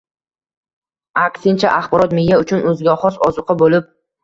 Aksincha, axborot miya uchun o‘ziga xos ozuqa bo‘lib